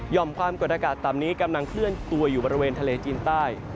ความกดอากาศต่ำนี้กำลังเคลื่อนตัวอยู่บริเวณทะเลจีนใต้